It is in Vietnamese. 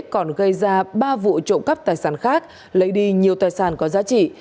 còn gây ra ba vụ trộm cắp tài sản khác lấy đi nhiều tài sản có giá trị